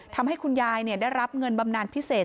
ทำให้คุณยายได้รับเงินบำนานพิเศษ